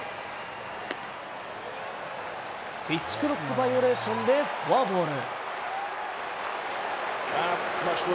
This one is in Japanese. ピッチクロックバイオレーションでフォアボール。